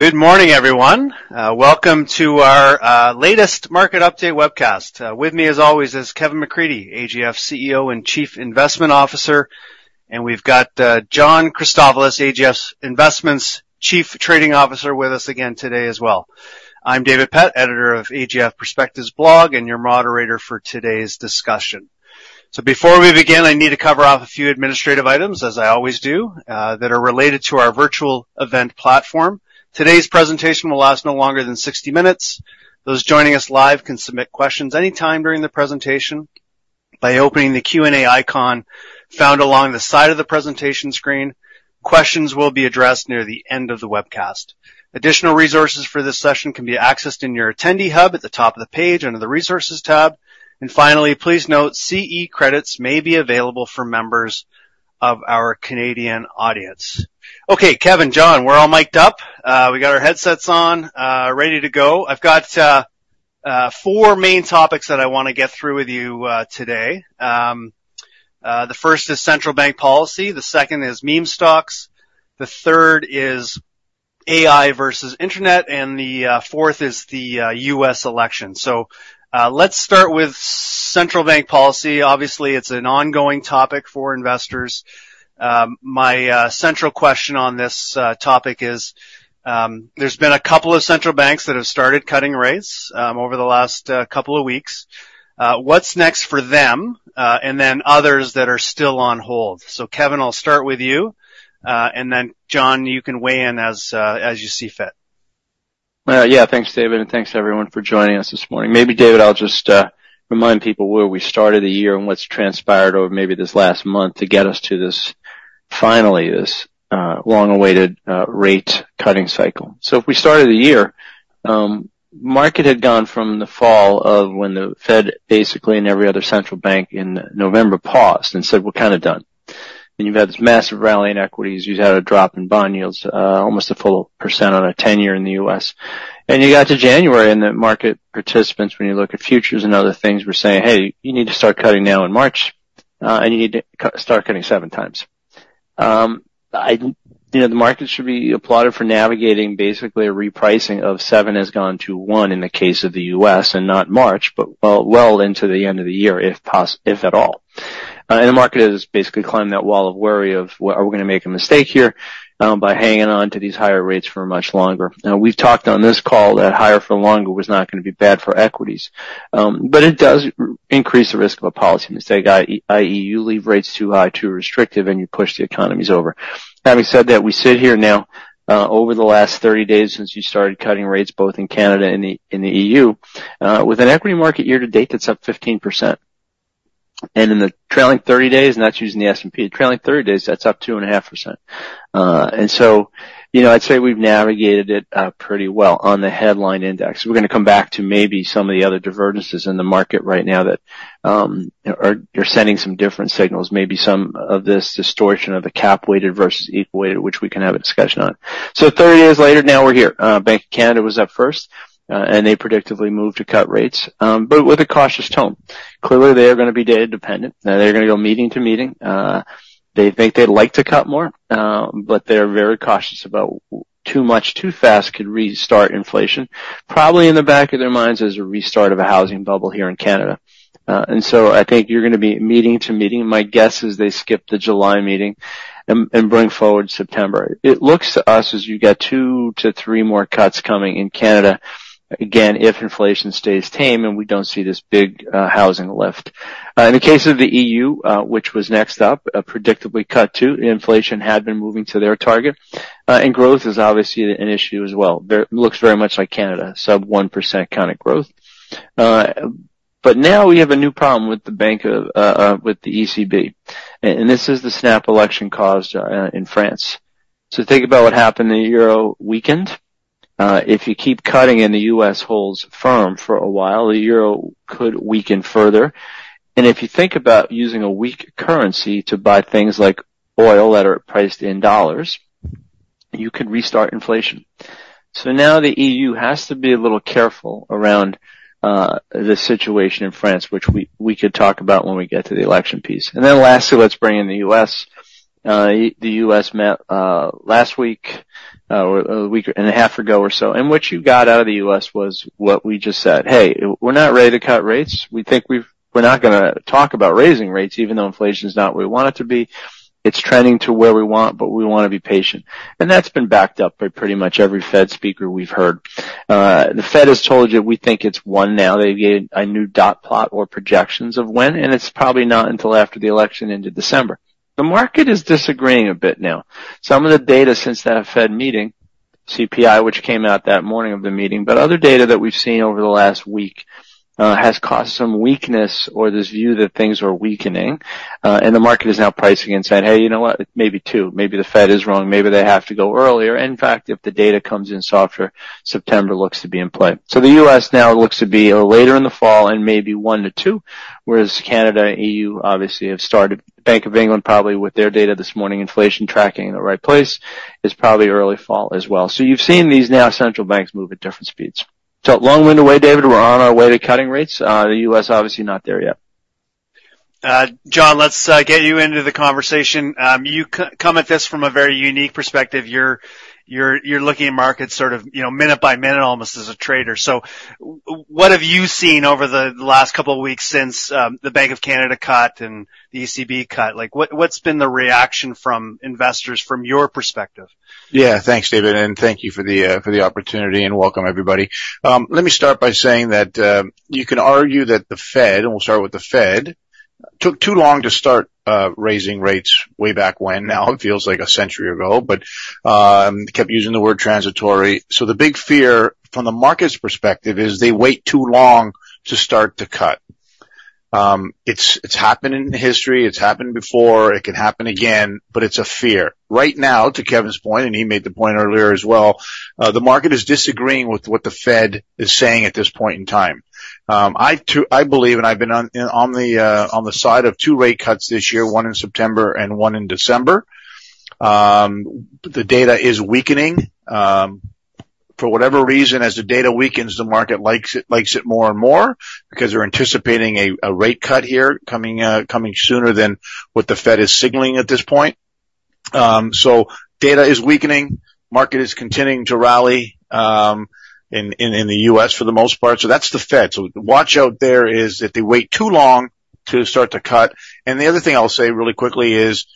Good morning, everyone. Welcome to our latest market update webcast. With me as always is Kevin McCreadie, AGF CEO and Chief Investment Officer, and we've got John Christofilos, AGF's Investments Chief Trading Officer with us again today as well. I'm David Pett, Editor of AGF Perspectives blog and your moderator for today's discussion. Before we begin, I need to cover off a few administrative items, as I always do, that are related to our virtual event platform. Today's presentation will last no longer than 60 minutes. Those joining us live can submit questions any time during the presentation by opening the Q&A icon found along the side of the presentation screen. Questions will be addressed near the end of the webcast. Additional resources for this session can be accessed in your attendee hub at the top of the page under the Resources tab. Finally, please note, CE credits may be available for members of our Canadian audience. Okay, Kevin, John, we're all mic'd up. We got our headsets on, ready to go. I've got four main topics that I wanna get through with you today. The first is central bank policy, the second is meme stocks, the third is AI versus internet, and the fourth is the U.S. election. Let's start with central bank policy. Obviously, it's an ongoing topic for investors. My central question on this topic is, there's been a couple of central banks that have started cutting rates over the last couple of weeks. What's next for them, and then others that are still on hold? Kevin, I'll start with you, and then John, you can weigh in as you see fit. Well, yeah, thanks, David, and thanks everyone for joining us this morning. Maybe David, I'll just remind people where we started the year and what's transpired over maybe this last month to get us to this, finally, this long-awaited rate cutting cycle. If we started the year, market had gone from the fall of when the Fed basically and every other central bank in November paused and said, "We're kinda done." You've had this massive rally in equities. You've had a drop in bond yields, almost a full percent on a tenure in the U.S. You got to January, and the market participants, when you look at futures and other things, were saying, "Hey, you need to start cutting now in March, and you need to start cutting seven times." You know, the market should be applauded for navigating basically a repricing of seven has gone to one in the case of the U.S. and not March, but well, well into the end of the year if at all. The market has basically climbed that wall of worry of are we gonna make a mistake here, by hanging on to these higher rates for much longer. We've talked on this call that higher for longer was not gonna be bad for equities, but it does increase the risk of a policy mistake, i.e., you leave rates too high, too restrictive, and you push the economies over. Having said that, we sit here now, over the last 30 days since you started cutting rates, both in Canada and the EU, with an equity market year-to-date, that's up 15%. In the trailing 30 days, and that's using the S&P, the trailing 30 days, that's up 2.5%. You know, I'd say we've navigated it pretty well on the headline index. We're gonna come back to maybe some of the other divergences in the market right now that you're sending some different signals, maybe some of this distortion of the cap-weighted versus equal-weighted, which we can have a discussion on. 30 days later, now we're here. Bank of Canada was up first, they predictably moved to cut rates, with a cautious tone. Clearly, they are gonna be data-dependent. Now they're gonna go meeting to meeting. They think they'd like to cut more, they're very cautious about too much too fast could restart inflation. Probably in the back of their minds is a restart of a housing bubble here in Canada. I think you're gonna be meeting to meeting. My guess is they skip the July meeting and bring forward September. It looks to us as you get two to three more cuts coming in Canada, again, if inflation stays tame and we don't see this big housing lift. In the case of the EU, which was next up, predictably cut too, inflation had been moving to their target. Growth is obviously an issue as well. It looks very much like Canada, sub 1% kind of growth. Now we have a new problem with the ECB, and this is the snap election caused in France. Think about what happened, the euro weakened. If you keep cutting and the U.S. holds firm for a while, the euro could weaken further. If you think about using a weak currency to buy things like oil that are priced in dollars, you could restart inflation. Now the EU has to be a little careful around the situation in France, which we could talk about when we get to the election piece. Lastly, let's bring in the U.S. The U.S. met last week or a week and a half ago or so, and what you got out of the U.S. was what we just said. "Hey, we're not ready to cut rates. We're not gonna talk about raising rates even though inflation is not where we want it to be. It's trending to where we want, but we wanna be patient." That's been backed up by pretty much every Fed speaker we've heard. The Fed has told you we think it's one now. They gave a new dot plot or projections of when, and it's probably not until after the election into December. The market is disagreeing a bit now. Some of the data since that Fed meeting, CPI, which came out that morning of the meeting, but other data that we've seen over the last week, has caused some weakness or this view that things are weakening, and the market is now pricing and saying, "Hey, you know what? Maybe two. Maybe the Fed is wrong. Maybe they have to go earlier." In fact, if the data comes in softer, September looks to be in play. The U.S. now looks to be later in the fall and maybe one to two, whereas Canada and EU obviously have started. Bank of England probably with their data this morning, inflation tracking in the right place, is probably early fall as well. You've seen these now central banks move at different speeds. Long wind away, David, we're on our way to cutting rates. The U.S. obviously not there yet. John, let's get you into the conversation. You come at this from a very unique perspective. You're looking at markets sort of, you know, minute by minute almost as a trader. What have you seen over the last couple of weeks since the Bank of Canada cut and the ECB cut? What's been the reaction from investors from your perspective? Thanks, David, and thank you for the opportunity, and welcome everybody. Let me start by saying that you can argue that the Fed, and we'll start with the Fed, took too long to start raising rates way back when. Now it feels like a century ago, but kept using the word transitory. The big fear from the market's perspective is they wait too long to start to cut. It's happened in history, it's happened before, it can happen again, but it's a fear. Right now, to Kevin's point, and he made the point earlier as well, the market is disagreeing with what the Fed is saying at this point in time. I believe, I've been on the side of two rate cuts this year, one in September and one in December. The data is weakening. For whatever reason, as the data weakens, the market likes it more and more because they're anticipating a rate cut here coming sooner than what the Fed is signaling at this point. Data is weakening. Market is continuing to rally in the U.S. for the most part. That's the Fed. Watch out there is if they wait too long to start to cut. The other thing I'll say really quickly is,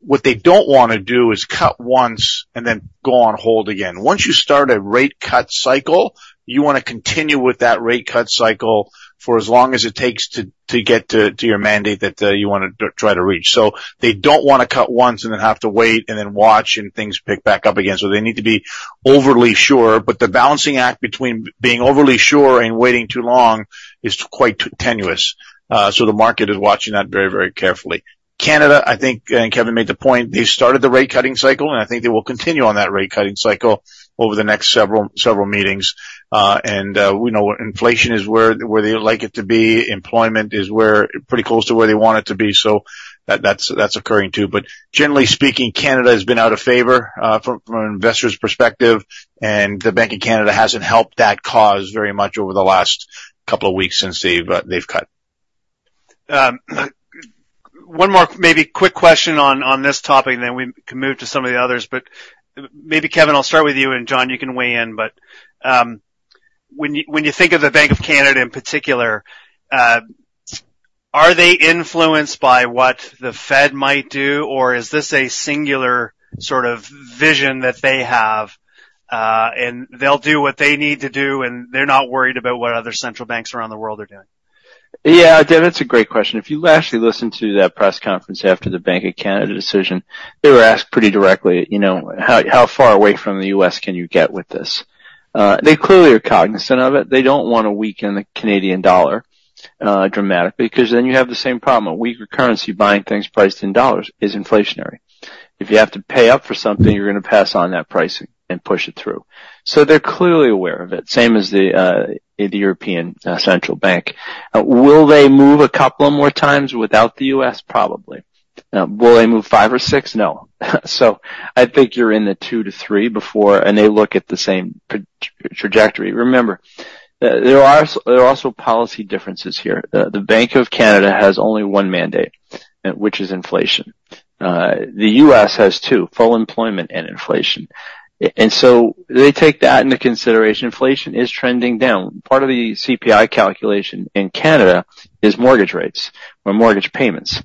what they don't wanna do is cut once and then go on hold again. Once you start a rate cut cycle, you wanna continue with that rate cut cycle for as long as it takes to get to your mandate that you wanna try to reach. They don't wanna cut once and then have to wait and then watch and things pick back up again. They need to be overly sure. The balancing act between being overly sure and waiting too long is quite tenuous. The market is watching that very, very carefully. Canada, I think, and Kevin made the point, they started the rate cutting cycle, and I think they will continue on that rate cutting cycle over the next several meetings. We know inflation is where they would like it to be. Employment is pretty close to where they want it to be. That's occurring, too. Generally speaking, Canada has been out of favor, from an investor's perspective, and the Bank of Canada hasn't helped that cause very much over the last couple of weeks since they've cut. One more maybe quick question on this topic, and then we can move to some of the others. Maybe, Kevin, I'll start with you, and John, you can weigh in. When you, when you think of the Bank of Canada in particular, are they influenced by what the Fed might do, or is this a singular sort of vision that they have, and they'll do what they need to do, and they're not worried about what other central banks around the world are doing? Yeah. David, that's a great question. If you actually listen to that press conference after the Bank of Canada decision, they were asked pretty directly, you know, how far away from the U.S. can you get with this? They clearly are cognizant of it. They don't wanna weaken the Canadian dollar dramatically because then you have the same problem. A weaker currency buying things priced in dollars is inflationary. If you have to pay up for something, you're gonna pass on that pricing and push it through. They're clearly aware of it, same as the European Central Bank. Will they move a couple more times without the U.S.? Probably. Will they move five or six? No. I think you're in the two to three before... They look at the same trajectory. Remember, there are also policy differences here. The Bank of Canada has only one mandate, which is inflation. The U.S. has two, full employment and inflation. They take that into consideration. Inflation is trending down. Part of the CPI calculation in Canada is mortgage rates or mortgage payments.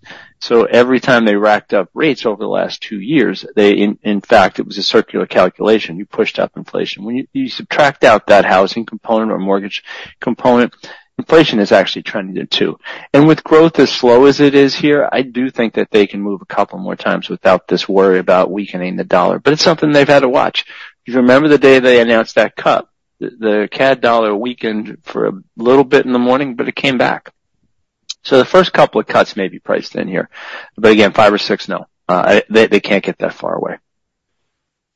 Every time they racked up rates over the last two years, in fact, it was a circular calculation. You pushed up inflation. When you subtract out that housing component or mortgage component, inflation is actually trending, too. With growth as slow as it is here, I do think that they can move couple more times without this worry about weakening the U.S. dollar. It's something they've had to watch. If you remember the day they announced that cut, the CAD dollar weakened for a little bit in the morning, but it came back. The first couple of cuts may be priced in here, but again, five or six, no. They can't get that far away.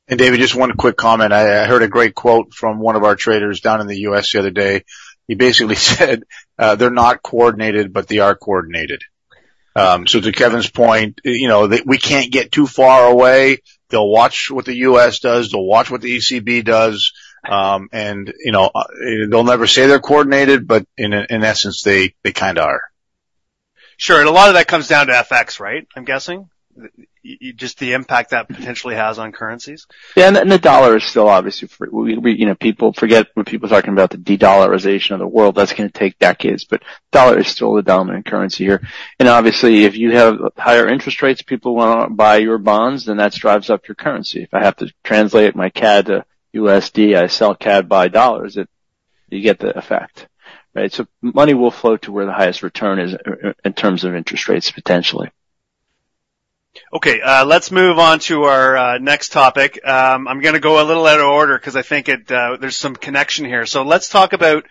David, just one quick comment. I heard a great quote from one of our traders down in the U.S. the other day. He basically said, "They're not coordinated, but they are coordinated." To Kevin's point, you know, we can't get too far away. They'll watch what the U.S. does. They'll watch what the ECB does. You know, they'll never say they're coordinated, but in essence, they kinda are. Sure. A lot of that comes down to FX, right? I'm guessing. Just the impact that potentially has on currencies. Yeah. The dollar is still obviously, you know, people forget when people are talking about the de-dollarization of the world, that's gonna take decades, dollar is still the dominant currency here. Obviously, if you have higher interest rates, people wanna buy your bonds, that drives up your currency. If I have to translate my CAD to USD, I sell CAD, buy dollars. You get the effect, right? Money will flow to where the highest return is in terms of interest rates, potentially. Let's move on to our next topic. I'm gonna go a little out of order 'cause I think it there's some connection here. Let's talk about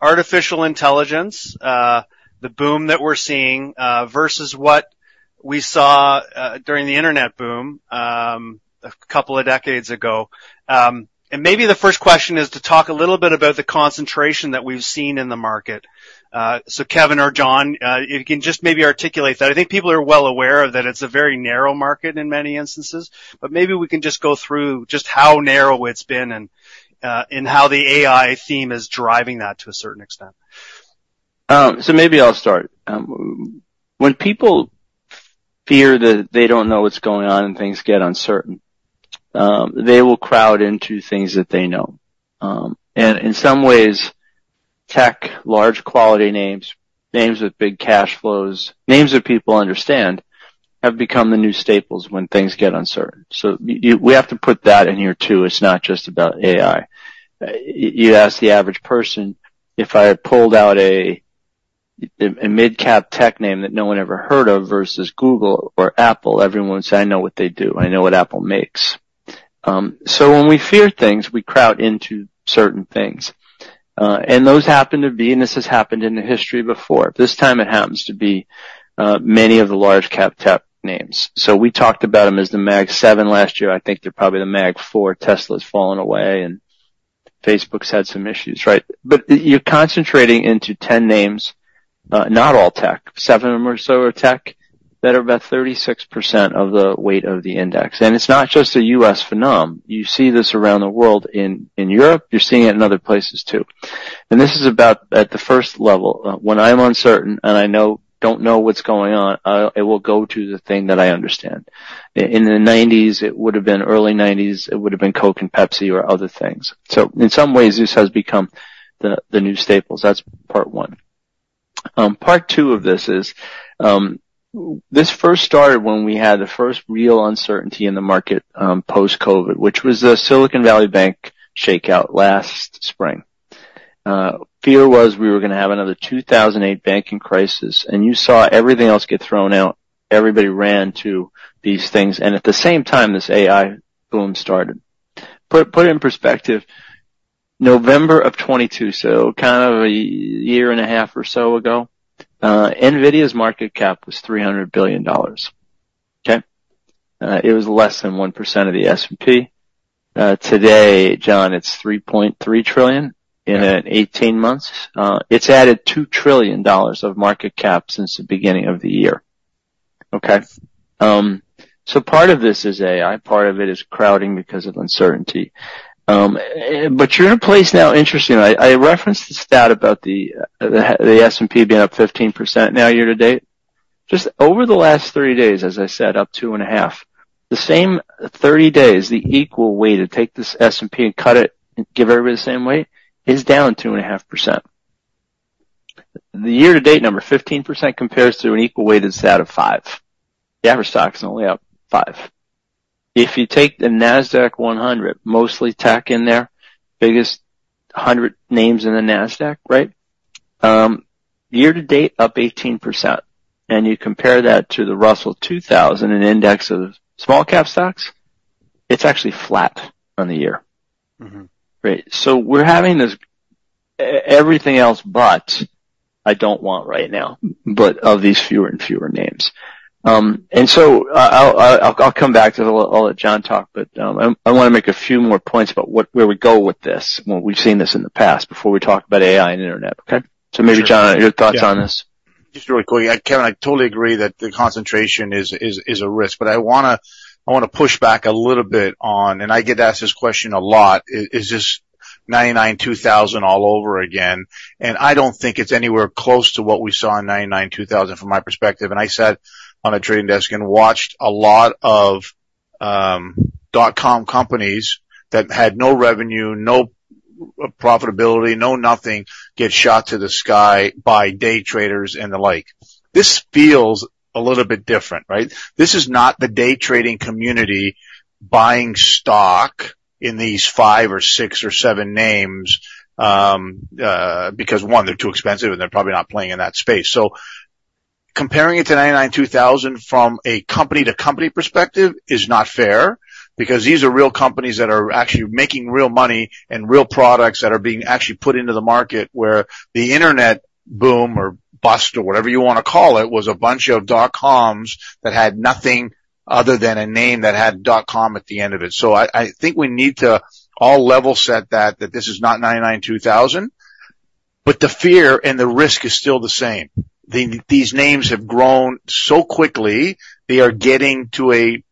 artificial intelligence, the boom that we're seeing, versus what we saw during the internet boom, a couple of decades ago. Maybe the first question is to talk a little bit about the concentration that we've seen in the market. Kevin or John, if you can just maybe articulate that. I think people are well aware that it's a very narrow market in many instances, but maybe we can just go through just how narrow it's been and How the AI theme is driving that to a certain extent. Maybe I'll start. When people fear that they don't know what's going on and things get uncertain, they will crowd into things that they know. In some ways, tech, large quality names with big cash flows, names that people understand have become the new staples when things get uncertain. We have to put that in here too. It's not just about AI. You ask the average person, if I pulled out a mid-cap tech name that no one ever heard of versus Google or Apple, everyone would say, "I know what they do. I know what Apple makes." When we fear things, we crowd into certain things. Those happen to be, and this has happened in the history before. This time it happens to be, many of the large cap tech names. We talked about them as the Mag Seven last year. I think they're probably the Mag Four. Tesla's fallen away, and Facebook's had some issues, right? You're concentrating into 10 names, not all tech. Seven of them or so are tech that are about 36% of the weight of the index. It's not just a U.S. phenom. You see this around the world in Europe. You're seeing it in other places too. This is about at the first level. When I'm uncertain, and I don't know what's going on, it will go to the thing that I understand. In the 1990s, it would have been early 1990s, it would have been Coke and Pepsi or other things. In some ways, this has become the new staples. That's part one. Part two of this is, this first started when we had the first real uncertainty in the market, post-COVID, which was the Silicon Valley Bank shakeout last spring. Fear was we were gonna have another 2008 banking crisis, you saw everything else get thrown out. Everybody ran to these things. At the same time, this AI boom started. Put it in perspective, November of 2022, so kind of a year and a half or so ago, Nvidia's market cap was $300 billion. Okay? It was less than 1% of the S&P. Today, John, it's $3.3 trillion in 18 months. It's added $2 trillion of market cap since the beginning of the year. Okay? Part of this is AI, part of it is crowding because of uncertainty. You're in a place now. Interestingly, I referenced the stat about the S&P being up 15% now year to date. Just over the last 30 days, as I said, up 2.5%. The same 30 days, the equal-weighted take this S&P and cut it and give everybody the same weight is down 2.5%. The year-to-date number, 15%, compares to an equal-weighted stat of 5%. The average stock is only up 5%. If you take the Nasdaq-100, mostly tech in there, biggest 100 names in the Nasdaq, right? Year-to-date, up 18%. You compare that to the Russell 2,000, an index of small-cap stocks, it's actually flat on the year. Mm-hmm. Right. We're having this everything else, but I don't want right now, but of these fewer and fewer names. I'll come back to the. I'll let John talk, but, I wanna make a few more points about where we go with this, when we've seen this in the past before we talk about AI and Internet. Okay? Maybe, John, your thoughts on this. Just really quick. Kevin, I totally agree that the concentration is a risk. I wanna push back a little bit on, I get asked this question a lot, is this 1999, 2000 all over again? I don't think it's anywhere close to what we saw in 1999, 2000 from my perspective. I sat on a trading desk and watched a lot of dot-com companies that had no revenue, no profitability, no nothing, get shot to the sky by day traders and the like. This feels a little bit different, right? This is not the day trading community buying stock in these five or six or seven names, because one, they're too expensive and they're probably not playing in that space. Comparing it to 1999, 2000 from a company to company perspective is not fair because these are real companies that are actually making real money and real products that are being actually put into the market where the Internet boom or bust or whatever you wanna call it, was a bunch of dot-coms that had nothing other than a name that had dot-com at the end of it. I think we need to all level set that this is not 1999, 2000, but the fear and the risk is still the same. These names have grown so quickly, they are getting to a,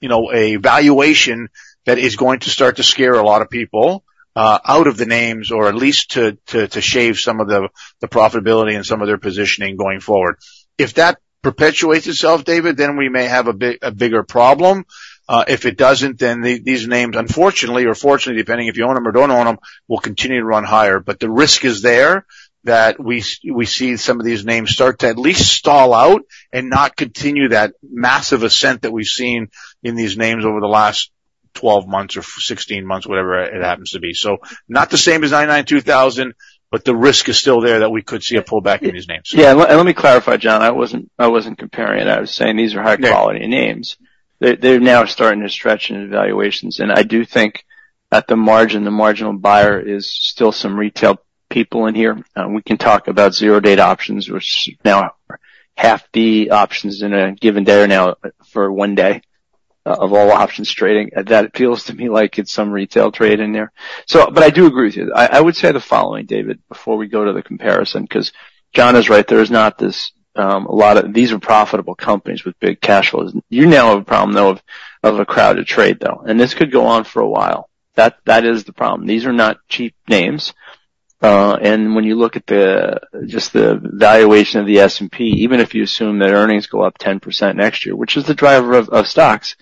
you know, a valuation that is going to start to scare a lot of people out of the names or at least to shave some of the profitability and some of their positioning going forward. If that perpetuates itself, David, then we may have a bigger problem. If it doesn't, then these names, unfortunately or fortunately, depending if you own them or don't own them, will continue to run higher. The risk is there that we see some of these names start to at least stall out and not continue that massive ascent that we've seen in these names over the last 12 months or 16 months, whatever it happens to be. Not the same as 1999, 2000, but the risk is still there that we could see a pullback in these names. Yeah, let me clarify, John. I wasn't comparing it. I was saying these are high quality names. They're now starting to stretch in evaluations. I do think at the margin, the marginal buyer is still some retail people in here. We can talk about 0DTE options, which now half the options in a given day are now for one day of all options trading. That appeals to me like it's some retail trade in there. I do agree with you. I would say the following, David, before we go to the comparison, 'cause John is right. There is not this. These are profitable companies with big cash flows. You now have a problem, though, of a crowded trade, though. This could go on for a while. That is the problem. These are not cheap names. When you look at the, just the valuation of the S&P, even if you assume that earnings go up 10% next year, which is the driver of stocks,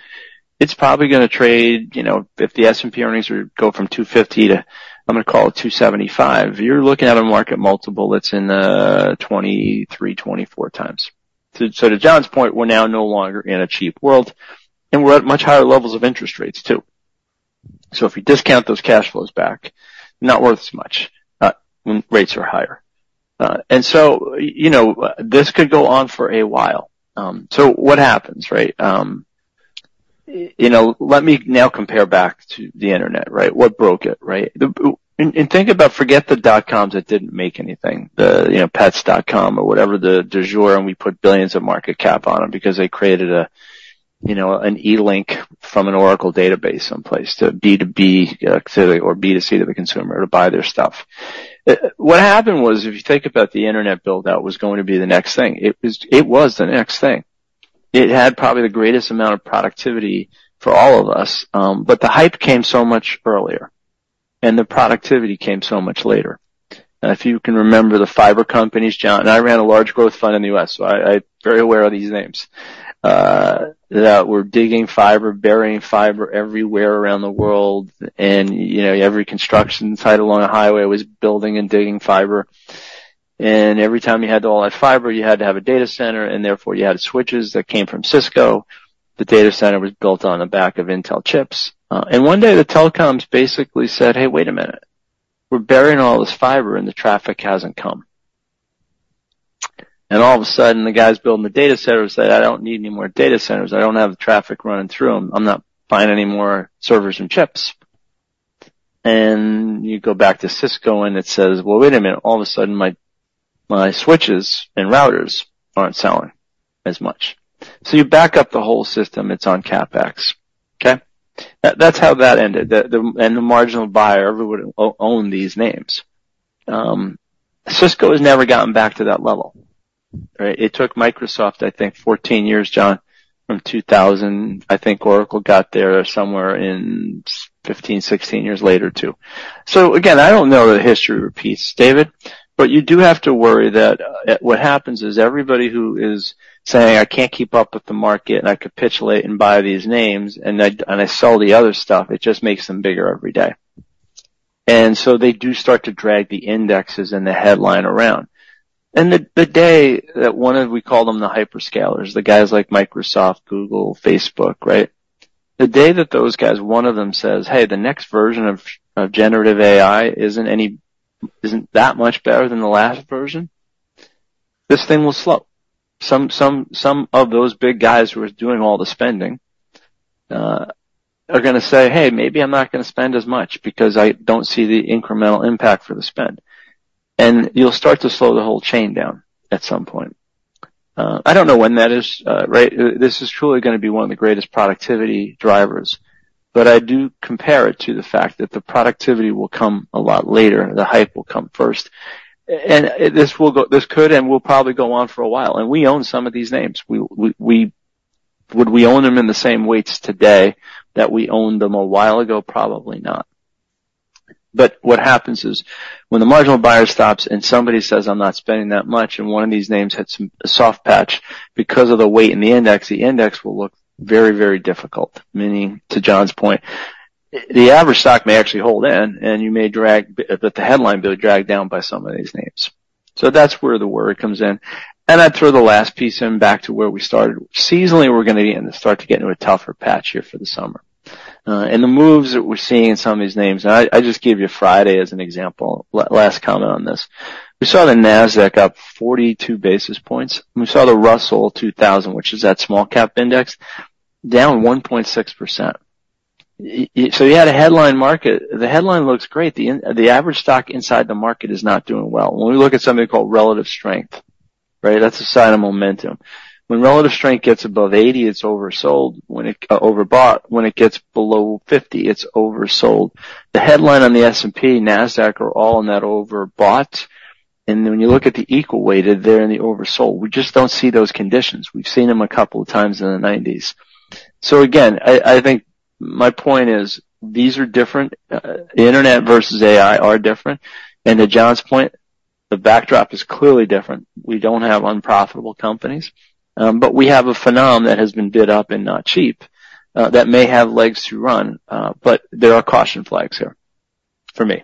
it's probably gonna trade, you know, if the S&P earnings would go from 250 to, I'm gonna call it 275, you're looking at a market multiple that's in 23x, 24x. To John's point, we're now no longer in a cheap world, and we're at much higher levels of interest rates too. If you discount those cash flows back, not worth as much when rates are higher. You know, this could go on for a while. What happens, right? You know, let me now compare back to the Internet, right? What broke it, right? Think about forget the dot-coms that didn't make anything. You know, Pets.com or whatever the du jour, we put billions of market cap on them because they created a, you know, an e-link from an Oracle database someplace to B2B activity or B2C to the consumer to buy their stuff. What happened was, if you think about the Internet build-out was going to be the next thing. It was the next thing. It had probably the greatest amount of productivity for all of us, the hype came so much earlier, and the productivity came so much later. If you can remember the fiber companies, John, I ran a large growth fund in the U.S., so I very aware of these names that were digging fiber, burying fiber everywhere around the world. You know, every construction site along a highway was building and digging fiber. Every time you had to all that fiber, you had to have a data center, and therefore, you had switches that came from Cisco. The data center was built on the back of Intel chips. One day, the telecoms basically said, "Hey, wait a minute. We're burying all this fiber and the traffic hasn't come." All of a sudden, the guys building the data center said, "I don't need any more data centers. I don't have the traffic running through them. I'm not buying any more servers and chips." You go back to Cisco, and it says, "Well, wait a minute. All of a sudden my switches and routers aren't selling as much." You back up the whole system, it's on CapEx, okay? That's how that ended. The marginal buyer, everyone would own these names. Cisco has never gotten back to that level, right? It took Microsoft, I think 14 years, John, from 2000. I think Oracle got there somewhere in 15, 16 years later, too. Again, I don't know that history repeats, David, but you do have to worry that what happens is everybody who is saying, "I can't keep up with the market, and I capitulate and buy these names, and I sell the other stuff," it just makes them bigger every day. They do start to drag the indexes and the headline around. The day that one of we call them the hyperscalers, the guys like Microsoft, Google, Facebook, right? The day that those guys, one of them says, "Hey, the next version of generative AI isn't that much better than the last version," this thing will slow. Some of those big guys who are doing all the spending, are gonna say, "Hey, maybe I'm not gonna spend as much because I don't see the incremental impact for the spend." You'll start to slow the whole chain down at some point. I don't know when that is, right? This is truly gonna be one of the greatest productivity drivers. I do compare it to the fact that the productivity will come a lot later. The hype will come first. This could and will probably go on for a while. We own some of these names. We... Would we own them in the same weights today that we owned them a while ago? Probably not. What happens is, when the marginal buyer stops and somebody says, "I'm not spending that much," and one of these names hits a soft patch because of the weight in the index, the index will look very, very difficult. Meaning, to John's point, the average stock may actually hold in, and you may drag, but the headline be dragged down by some of these names. That's where the worry comes in. I'd throw the last piece in back to where we started. Seasonally, we're gonna start to get into a tougher patch here for the summer. The moves that we're seeing in some of these names, I just gave you Friday as an example. Last comment on this. We saw the Nasdaq up 42 basis points. We saw the Russell 2000, which is that small-cap index, down 1.6%. You had a headline market. The headline looks great. The average stock inside the market is not doing well. When we look at something called relative strength, right? That's a sign of momentum. When relative strength gets above 80, it's oversold. Overbought. When it gets below 50, it's oversold. The headline on the S&P, Nasdaq are all in that overbought. When you look at the equal-weighted, they're in the oversold. We just don't see those conditions. We've seen them a couple of times in the 1990s. Again, I think my point is these are different. The Internet versus AI are different. To John's point, the backdrop is clearly different. We don't have unprofitable companies, we have a phenom that has been bid up and not cheap, that may have legs to run, there are caution flags here for me.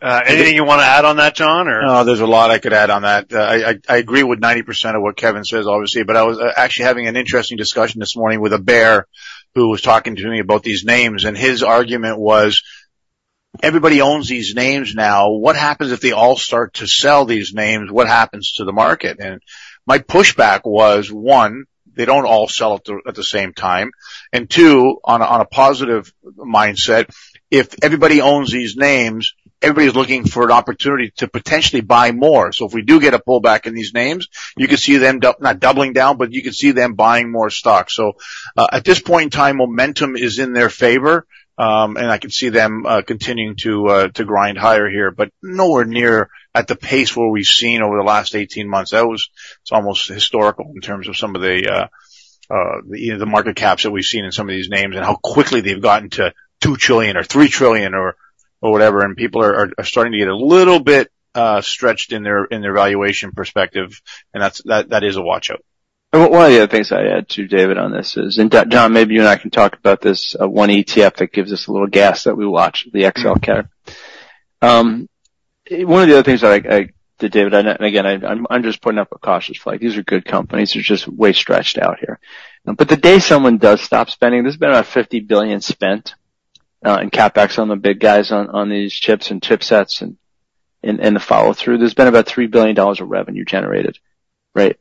Anything you wanna add on that, John, or? No, there's a lot I could add on that. I agree with 90% of what Kevin says, obviously, but I was actually having an interesting discussion this morning with a bear who was talking to me about these names, and his argument was, everybody owns these names now. What happens if they all start to sell these names? What happens to the market? My pushback was, one, they don't all sell at the same time. Two, on a positive mindset, if everybody owns these names, everybody's looking for an opportunity to potentially buy more. If we do get a pullback in these names, you could see them not doubling down, but you could see them buying more stock. At this point in time, momentum is in their favor, and I could see them continuing to grind higher here, but nowhere near at the pace where we've seen over the last 18 months. It's almost historical in terms of some of the, you know, the market caps that we've seen in some of these names and how quickly they've gotten to $2 trillion or $3 trillion or whatever, and people are starting to get a little bit stretched in their valuation perspective and that is a watch-out. One of the other things I add too, David, on this is. John, maybe you and I can talk about this, one ETF that gives us a little gas that we watch, the XLV. One of the other things that David and I, again, I'm just putting up a cautious flag. These are good companies, they're just way stretched out here. The day someone does stop spending, there's been about $50 billion spent in CapEx on the big guys on these chips and chipsets and the follow through. There's been about $3 billion of revenue generated, right?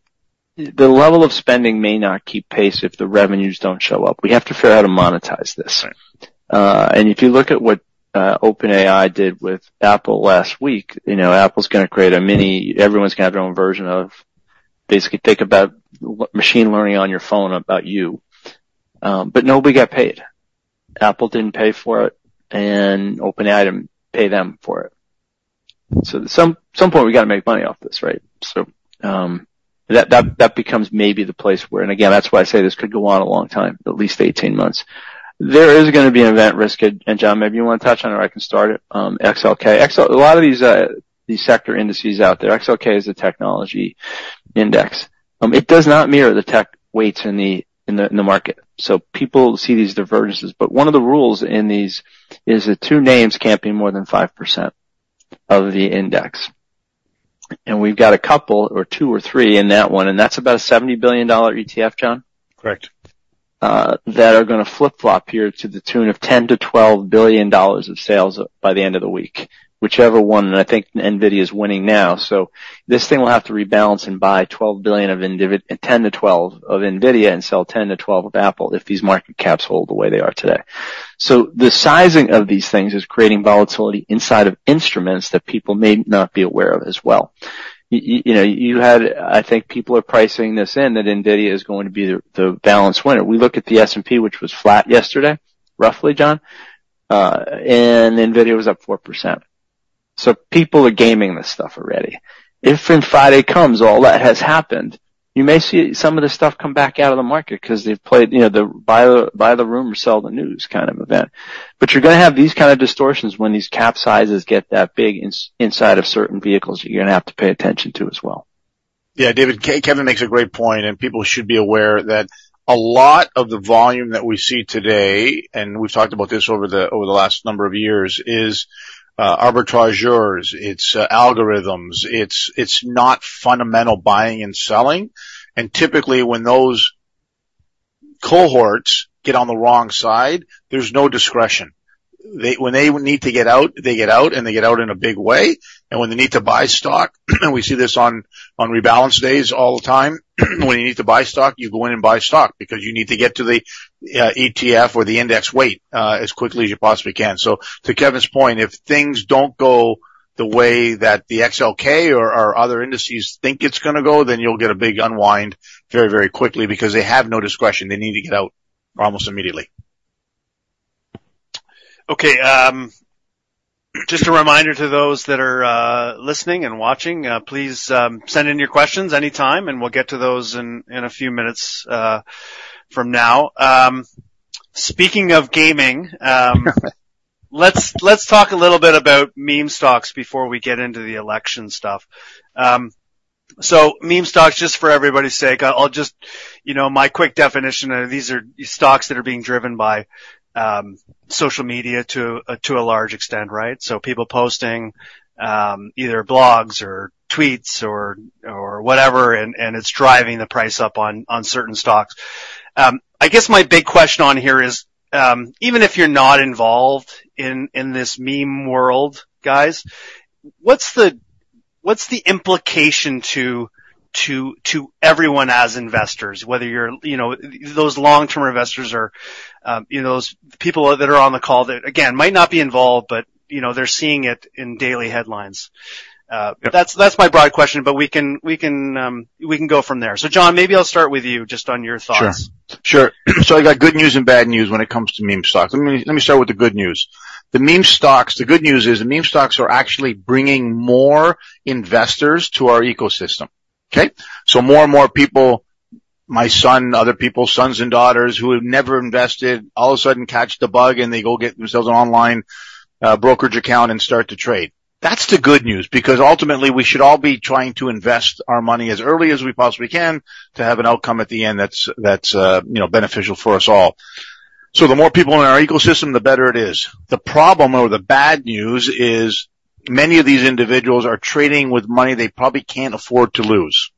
The level of spending may not keep pace if the revenues don't show up. We have to figure how to monetize this. Right. If you look at what OpenAI did with Apple last week, you know, Apple's gonna create a mini. Everyone's gonna have their own version of basically take about machine learning on your phone about you. But nobody got paid. Apple didn't pay for it, and OpenAI didn't pay them for it. At some point we gotta make money off this, right? That becomes maybe the place where. Again, that's why I say this could go on a long time, at least 18 months. There is gonna be an event risk at. John, maybe you wanna touch on it or I can start it, XLK. A lot of these sector indices out there, XLK is a technology index. It does not mirror the tech weights in the market, so people see these divergences. One of the rules in these is that two names can't be more than 5% of the index. We've got a couple or two or three in that one, and that's about a 70 billion dollar ETF, John? Correct. That are gonna flip-flop here to the tune of $10 billion-$12 billion of sales by the end of the week. Whichever one, I think NVIDIA is winning now. This thing will have to rebalance and buy $10 billion-$12 billion of NVIDIA and sell $10 billion-$12 billion of Apple if these market caps hold the way they are today. The sizing of these things is creating volatility inside of instruments that people may not be aware of as well. You know, I think people are pricing this in, that NVIDIA is going to be the balance winner. We look at the S&P, which was flat yesterday, roughly, John. NVIDIA was up 4%. People are gaming this stuff already. Friday comes, all that has happened, you may see some of this stuff come back out of the market 'cause they've played, you know, the buy the rumor, sell the news kind of event. You're gonna have these kind of distortions when these cap sizes get that big inside of certain vehicles you're gonna have to pay attention to as well. Yeah. David, Kevin makes a great point. People should be aware that a lot of the volume that we see today, and we've talked about this over the last number of years, is arbitrageurs, it's algorithms. It's not fundamental buying and selling. Typically when those cohorts get on the wrong side, there's no discretion. When they need to get out, they get out, and they get out in a big way. When they need to buy stock, and we see this on rebalance days all the time. When you need to buy stock, you go in and buy stock because you need to get to the ETF or the index weight as quickly as you possibly can. To Kevin's point, if things don't go the way that the XLK or other indices think it's going to go, then you'll get a big unwind very, very quickly because they have no discretion. They need to get out almost immediately. Okay. Just a reminder to those that are listening and watching, please send in your questions anytime, and we'll get to those in a few minutes from now. Speaking of gaming, let's talk a little bit about meme stocks before we get into the election stuff. Meme stocks, just for everybody's sake, You know, my quick definition are these are stocks that are being driven by social media to a large extent, right? People posting either blogs or tweets or whatever and it's driving the price up on certain stocks. I guess my big question on here is, even if you're not involved in this meme world, guys, what's the implication to everyone as investors? Whether you're, you know, those long-term investors or, you know, those people that are on the call that, again, might not be involved, but you know, they're seeing it in daily headlines. Yep. That's my broad question, but we can, we can go from there. John, maybe I'll start with you just on your thoughts. Sure. Sure. I got good news and bad news when it comes to meme stocks. Let me start with the good news. The meme stocks, the good news is the meme stocks are actually bringing more investors to our ecosystem. Okay? More and more people, my son, other people's sons and daughters who have never invested all of a sudden catch the bug and they go get themselves an online brokerage account and start to trade. That's the good news, because ultimately, we should all be trying to invest our money as early as we possibly can to have an outcome at the end that's, you know, beneficial for us all. The more people in our ecosystem, the better it is. The problem or the bad news is many of these individuals are trading with money they probably can't afford to lose.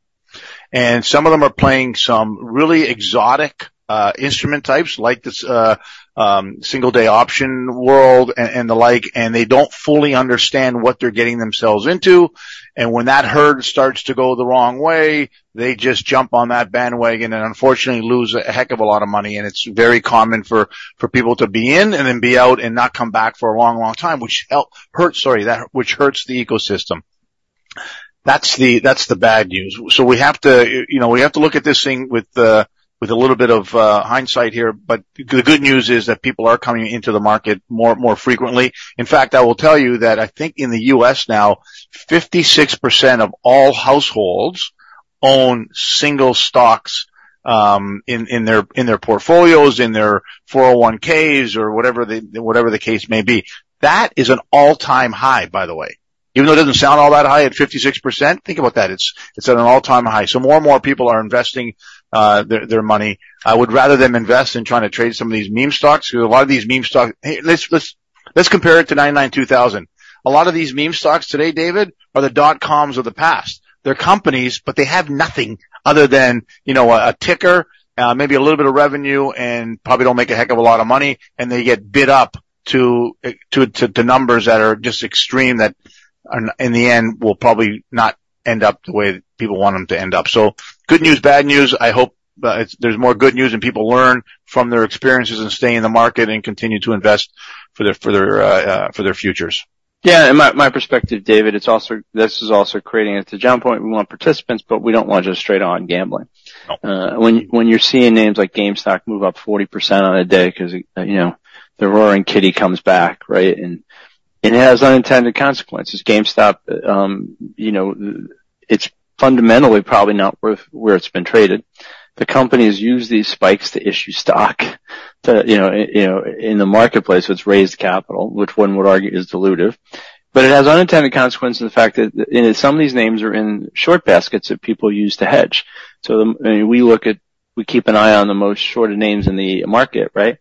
Some of them are playing some really exotic instrument types like this single day option world and the like, and they don't fully understand what they're getting themselves into. When that herd starts to go the wrong way, they just jump on that bandwagon and unfortunately lose a heck of a lot of money. It's very common for people to be in and then be out and not come back for a long, long time, which hurts the ecosystem. That's the bad news. We have to, you know, we have to look at this thing with a little bit of hindsight here. The good news is that people are coming into the market more frequently. In fact, I will tell you that I think in the U.S. 56% of all households own single stocks in their portfolios, in their 401(k)s or whatever the case may be. That is an all-time high, by the way, even though it doesn't sound all that high at 56%, think about that. It's at an all-time high. More and more people are investing their money. I would rather them invest in trying to trade some of these meme stocks. A lot of these meme stocks... Hey, let's compare it to 1999, 2000. A lot of these meme stocks today, David, are the dot-coms of the past. They're companies, but they have nothing other than, you know, a ticker, maybe a little bit of revenue and probably don't make a heck of a lot of money. They get bid up to numbers that are just extreme, that in the end, will probably not end up the way people want them to end up. Good news, bad news. I hope there's more good news and people learn from their experiences and stay in the market and continue to invest for their futures. Yeah. My perspective, David, this is also creating... To John's point, we want participants, but we don't want just straight on gambling. No. When you're seeing names like GameStop move up 40% on a day 'cause, you know, Roaring Kitty comes back, right? It has unintended consequences. GameStop, you know, it's fundamentally probably not worth where it's been traded. The companies use these spikes to issue stock to, you know, in the marketplace, so it's raised capital, which one would argue is dilutive. It has unintended consequences, the fact that, you know, some of these names are in short baskets that people use to hedge. I mean, we keep an eye on the most shorted names in the market, right?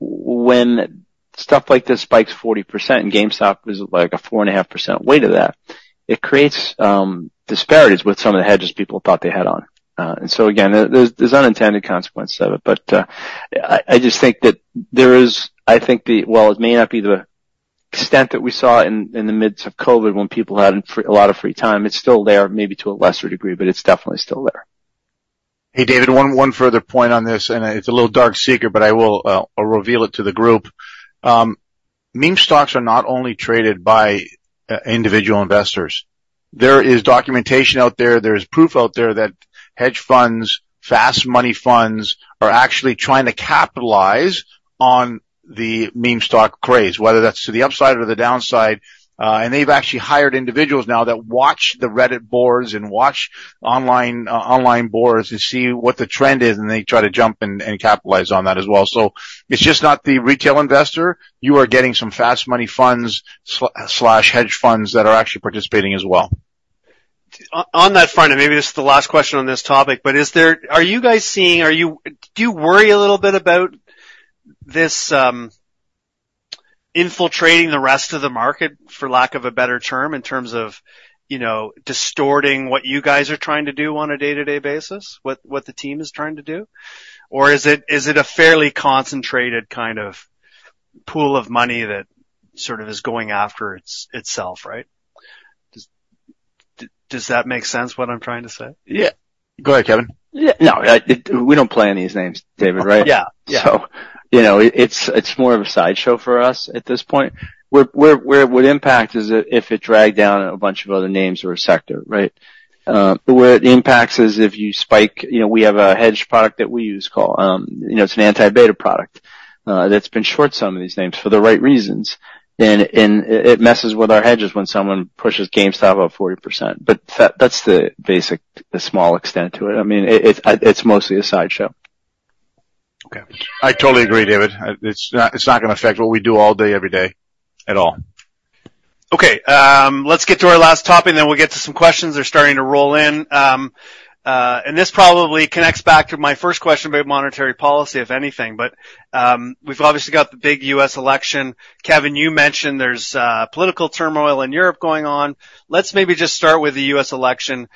When stuff like this spikes 40%, and GameStop is, like, a 4.5% weight of that, it creates disparities with some of the hedges people thought they had on. Again, there's unintended consequences of it. While it may not be the extent that we saw in the midst of COVID when people had a lot of free time, it's still there, maybe to a lesser degree, but it's definitely still there. Hey, David, one further point on this, and it's a little dark secret, but I will, I'll reveal it to the group. Meme stocks are not only traded by individual investors. There is documentation out there. There is proof out there that hedge funds, fast money funds are actually trying to capitalize on the meme stock craze, whether that's to the upside or the downside. They've actually hired individuals now that watch the Reddit boards and watch online boards to see what the trend is, and they try to jump and capitalize on that as well. It's just not the retail investor. You are getting some fast money funds slash hedge funds that are actually participating as well. On that front, Maybe this is the last question on this topic. Do you worry a little bit about this, infiltrating the rest of the market, for lack of a better term, in terms of, you know, distorting what you guys are trying to do on a day-to-day basis, what the team is trying to do? Is it a fairly concentrated kind of pool of money that sort of is going after itself, right? Does that make sense, what I'm trying to say? Yeah. Go ahead, Kevin. Yeah. No, we don't play any of these names, David, right? Yeah. Yeah. you know, it's more of a sideshow for us at this point. Where it would impact is if it dragged down a bunch of other names or a sector, right? Where it impacts is if you spike... You know, we have a hedge product that we use called, you know, it's an anti-beta product that's been short some of these names for the right reasons. And it messes with our hedges when someone pushes GameStop up 40%. That's the basic, the small extent to it. I mean, it's mostly a sideshow. Okay. I totally agree, David. It's not gonna affect what we do all day, every day at all. Okay. Let's get to our last topic, and then we'll get to some questions. They're starting to roll in. This probably connects back to my first question about monetary policy, if anything. We've obviously got the big U.S. election. Kevin, you mentioned there's political turmoil in Europe going on. Let's maybe just start with the U.S. election.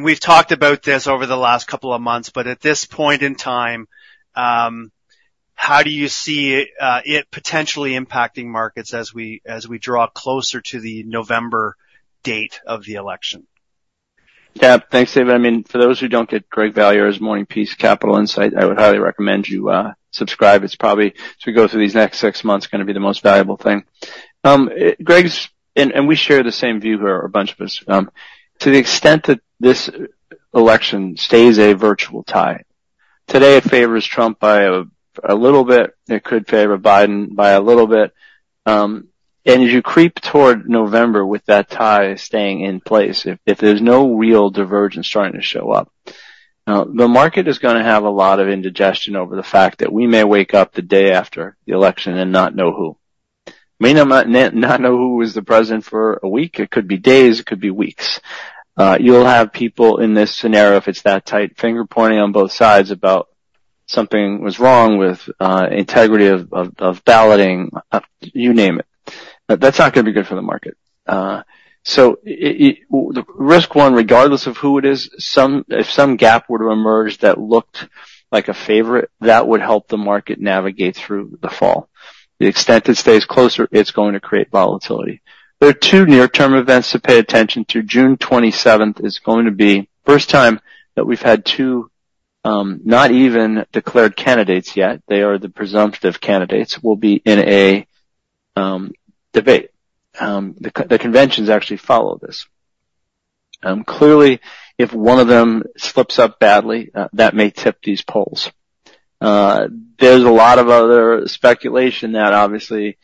We've talked about this over the last couple of months, but at this point in time, how do you see it potentially impacting markets as we draw closer to the November date of the election? Yeah. Thanks, David. I mean, for those who don't get Greg Valliere's Morning Capitol Insights, I would highly recommend you subscribe. It's probably, as we go through these next six months, gonna be the most valuable thing. Greg's... We share the same view here, a bunch of us. To the extent that this election stays a virtual tie. Today, it favors Trump by a little bit. It could favor Biden by a little bit. As you creep toward November with that tie staying in place, if there's no real divergence starting to show up, the market is gonna have a lot of indigestion over the fact that we may wake up the day after the election and not know who. May not know who is the president for a week. It could be days. It could be weeks. You'll have people in this scenario, if it's that tight, finger-pointing on both sides about something was wrong with integrity of balloting, you name it. That's not gonna be good for the market. Risk one, regardless of who it is, if some gap were to emerge that looked like a favorite, that would help the market navigate through the fall. The extent it stays closer, it's going to create volatility. There are two near-term events to pay attention to. June 27th is going to be first time that we've had two, not even declared candidates yet. They are the presumptive candidates, will be in a debate. The conventions actually follow this. Clearly, if one of them slips up badly, that may tip these polls. There's a lot of other speculation that obviously,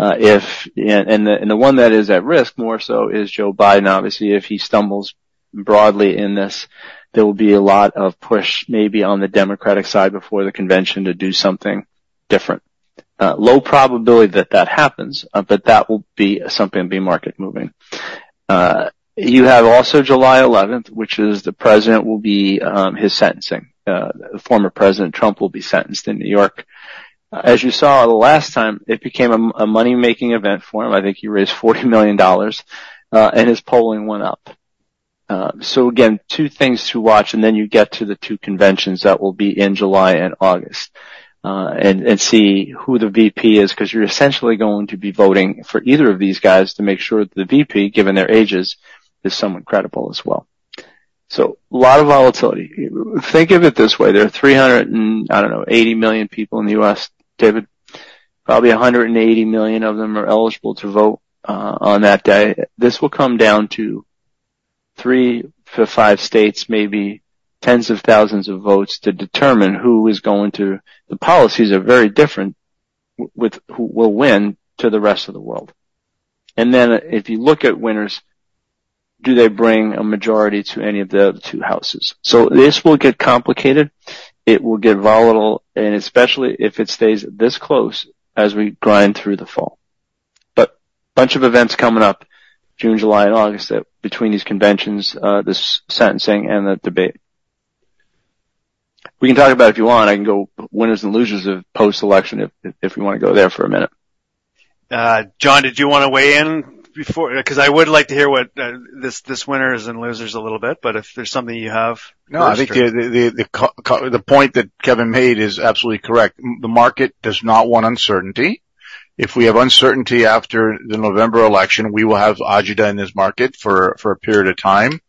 the one that is at risk more so is Joe Biden. Obviously, if he stumbles broadly in this, there will be a lot of push maybe on the Democratic side before the convention to do something different. Low probability that that happens, but that will be something to be market-moving. You have also July 11th, which is the President will be his sentencing. Former President Trump will be sentenced in New York. As you saw the last time, it became a money-making event for him. I think he raised $40 million, and his polling went up. Again, two things to watch, and then you get to the two conventions that will be in July and August, and see who the VP is, 'cause you're essentially going to be voting for either of these guys to make sure the VP, given their ages, is somewhat credible as well. A lot of volatility. Think of it this way. There are 380 million people in the U.S., David. Probably 180 million of them are eligible to vote on that day. This will come down to three to five states, maybe tens of thousands of votes to determine who is going to... The policies are very different with who will win to the rest of the world. If you look at winners, do they bring a majority to any of the two houses? This will get complicated. It will get volatile and especially if it stays this close as we grind through the fall. Bunch of events coming up June, July, and August that between these conventions, this sentencing and the debate. We can talk about it if you want. I can go winners and losers of post-election if you wanna go there for a minute. John, did you wanna weigh in before? 'Cause I would like to hear what, winners and losers a little bit, if there's something you have. No, I think the point that Kevin made is absolutely correct. The market does not want uncertainty. If we have uncertainty after the November election, we will have agita in this market for a period of time.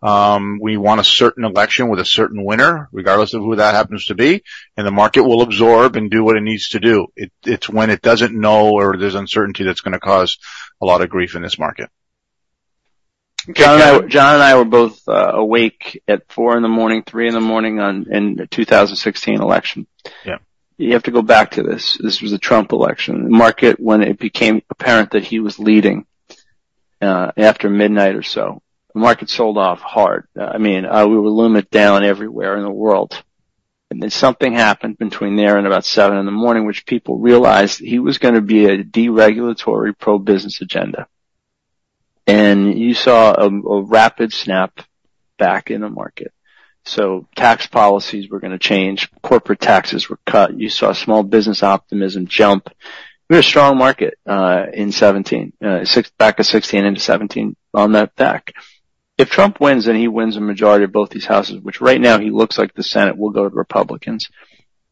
We want a certain election with a certain winner, regardless of who that happens to be, and the market will absorb and do what it needs to do. It's when it doesn't know or there's uncertainty that's gonna cause a lot of grief in this market. John and I were both awake at four in the morning, three in the morning in the 2016 election. Yeah. You have to go back to this. This was a Trump election. The market, when it became apparent that he was leading after midnight or so, the market sold off hard. I mean, we were looming down everywhere in the world. Something happened between there and about seven in the morning, which people realized he was gonna be a deregulatory pro-business agenda. You saw a rapid snap back in the market. Tax policies were gonna change. Corporate taxes were cut. You saw small business optimism jump. We had a strong market in 2017, back of 2016 into 2017 on that back. If Trump wins and he wins a majority of both these houses, which right now he looks like the Senate will go to Republicans,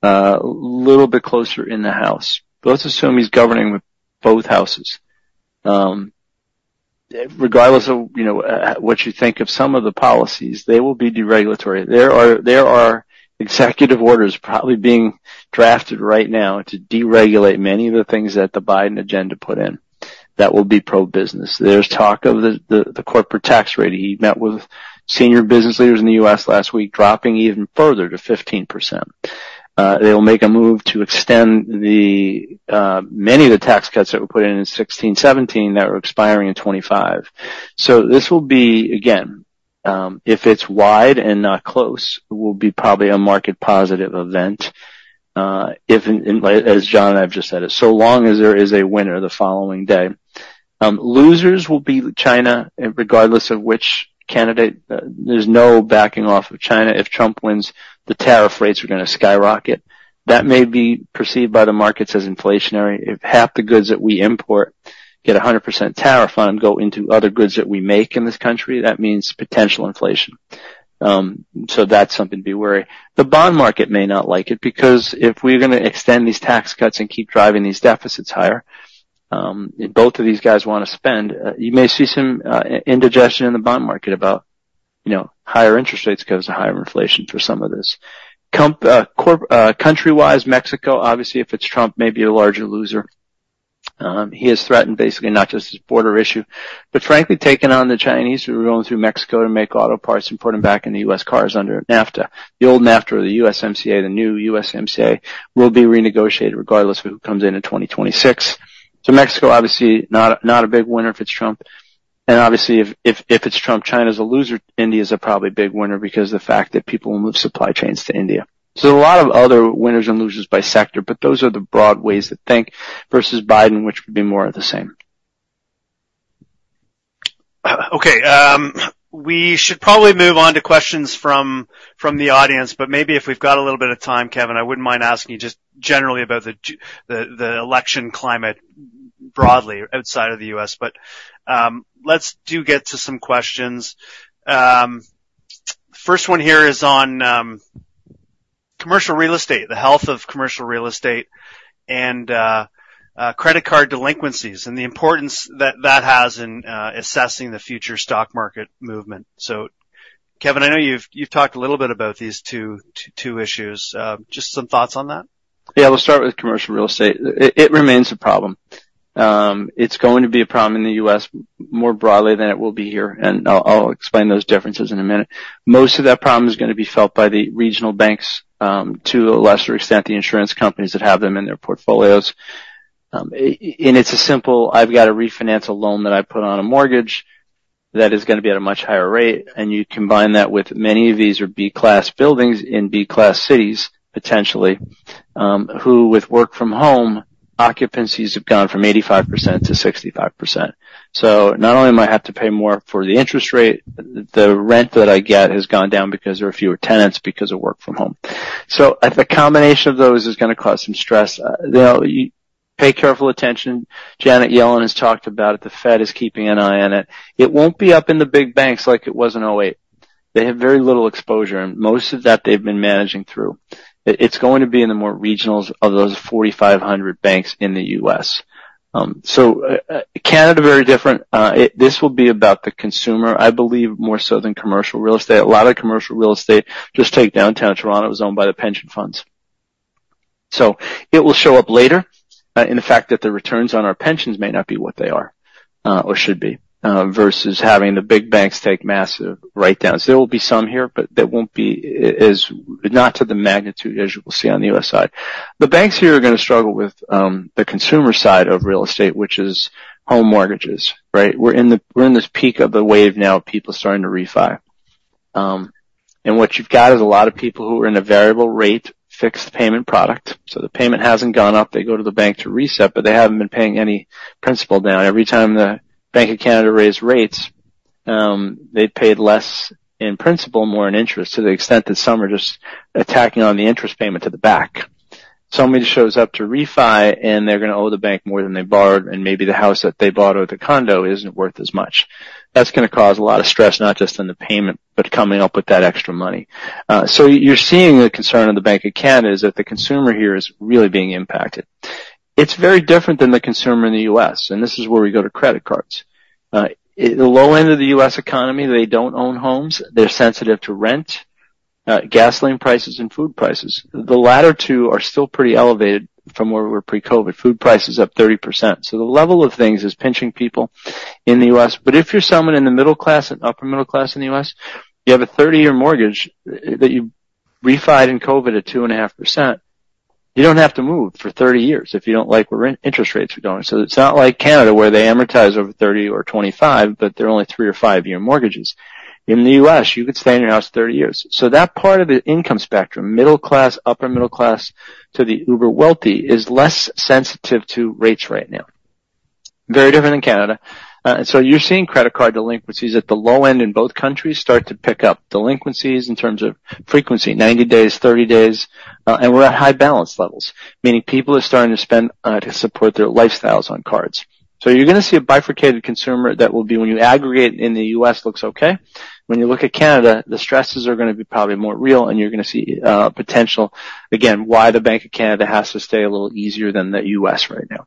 little bit closer in the House. Let's assume he's governing with both houses. Regardless of, you know, what you think of some of the policies, they will be deregulatory. There are executive orders probably being drafted right now to deregulate many of the things that the Biden agenda put in that will be pro-business. There's talk of the corporate tax rate. He met with senior business leaders in the U.S. last week, dropping even further to 15%. They will make a move to extend the many of the tax cuts that were put in in 2016, 2017 that are expiring in 2025. This will be, again, if it's wide and not close, it will be probably a market positive event. If in, as John and I've just said, so long as there is a winner the following day. Losers will be China, regardless of which candidate. There's no backing off of China. If Trump wins, the tariff rates are gonna skyrocket. That may be perceived by the markets as inflationary. If half the goods that we import get a 100% tariff on go into other goods that we make in this country, that means potential inflation. That's something to be worried. The bond market may not like it because if we're gonna extend these tax cuts and keep driving these deficits higher, both of these guys wanna spend. You may see some indigestion in the bond market about, you know, higher interest rates ’cause of higher inflation for some of this. Country-wise, Mexico, obviously, if it's Trump, may be a larger loser. He has threatened basically not just his border issue, but frankly, taking on the Chinese who are going through Mexico to make auto parts and putting them back in the U.S. cars under NAFTA. The old NAFTA or the USMCA, the new USMCA, will be renegotiated regardless of who comes in in 2026. Mexico, obviously not a big winner if it's Trump. Obviously if it's Trump, China's a loser. India's a probably big winner because the fact that people will move supply chains to India. A lot of other winners and losers by sector, but those are the broad ways to think versus Biden, which would be more of the same. Okay, we should probably move on to questions from the audience, but maybe if we've got a little bit of time, Kevin, I wouldn't mind asking you just generally about the election climate broadly outside of the U.S. Let's do get to some questions. First one here is on commercial real estate, the health of commercial real estate and credit card delinquencies and the importance that that has in assessing the future stock market movement. Kevin, I know you've talked a little bit about these two issues. Just some thoughts on that. Yeah, we'll start with commercial real estate. It remains a problem. It's going to be a problem in the U.S. more broadly than it will be here, and I'll explain those differences in a minute. Most of that problem is gonna be felt by the regional banks, to a lesser extent, the insurance companies that have them in their portfolios. It's a simple, I've got to refinance a loan that I put on a mortgage that is gonna be at a much higher rate, and you combine that with many of these are B-class buildings in B-class cities, potentially, who with work from home, occupancies have gone from 85%-65%. Not only am I have to pay more for the interest rate, the rent that I get has gone down because there are fewer tenants because of work from home. At the combination of those is gonna cause some stress. Pay careful attention. Janet Yellen has talked about it. The Fed is keeping an eye on it. It won't be up in the big banks like it was in 2008. They have very little exposure, and most of that they've been managing through. It's going to be in the more regionals of those 4,500 banks in the U.S. Canada, very different. This will be about the consumer, I believe, more so than commercial real estate. A lot of commercial real estate, just take Downtown Toronto, is owned by the pension funds. It will show up later in the fact that the returns on our pensions may not be what they are or should be versus having the big banks take massive write-downs. There will be some here, but they won't be not to the magnitude as you will see on the U.S. side. The banks here are gonna struggle with the consumer side of real estate, which is home mortgages, right? We're in this peak of the wave now, people starting to refi. What you've got is a lot of people who are in a variable rate, fixed payment product. The payment hasn't gone up. They go to the bank to reset, but they haven't been paying any principal down. Every time the Bank of Canada raised rates, they paid less in principal, more in interest to the extent that some are just attacking on the interest payment to the back. Somebody shows up to refi, and they're gonna owe the bank more than they borrowed, and maybe the house that they bought or the condo isn't worth as much. That's gonna cause a lot of stress, not just in the payment, but coming up with that extra money. You're seeing the concern of the Bank of Canada is that the consumer here is really being impacted. It's very different than the consumer in the U.S., and this is where we go to credit cards. The low end of the U.S. Economy, they don't own homes. They're sensitive to rent, gasoline prices, and food prices. The latter two are still pretty elevated from where we were pre-COVID. Food price is up 30%. The level of things is pinching people in the U.S. If you're someone in the middle class and upper middle class in the U.S., you have a 30-year mortgage that you refied in COVID at 2.5%, you don't have to move for 30 years if you don't like where interest rates are going. It's not like Canada, where they amortize over 30 or 25, but they're only three- or five-year mortgages. In the U.S., you could stay in your house 30 years. That part of the income spectrum, middle class, upper middle class to the uber wealthy, is less sensitive to rates right now. Very different in Canada. You're seeing credit card delinquencies at the low end in both countries start to pick up. Delinquencies in terms of frequency, 90 days, 30 days, and we're at high balance levels, meaning people are starting to spend to support their lifestyles on cards. You're gonna see a bifurcated consumer that will be when you aggregate in the U.S. looks okay. When you look at Canada, the stresses are gonna be probably more real and you're gonna see potential again, why the Bank of Canada has to stay a little easier than the U.S. right now.